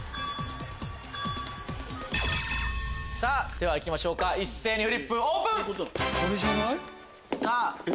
ではいきましょうか一斉にフリップオープン！